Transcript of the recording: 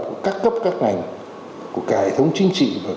của các cấp các ngành của cả hệ thống chính trị và